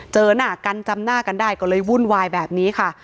เจอหน้ากันจำหน้ากันได้ก็เลยวุ่นวายแบบนี้ค่ะ